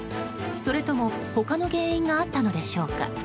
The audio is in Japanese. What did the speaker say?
それとも他の原因があったのでしょうか。